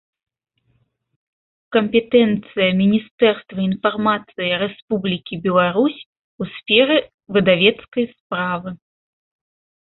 Кампетэнцыя Мiнiстэрства iнфармацыi Рэспублiкi Беларусь у сферы выдавецкай справы